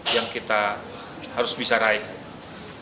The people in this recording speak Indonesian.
yang kita harus bisa raih